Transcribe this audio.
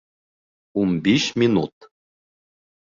Ун биш минут!..